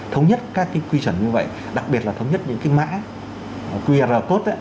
thống nhất các quy trình như vậy đặc biệt là thống nhất những mã qr code